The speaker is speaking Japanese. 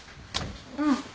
うん。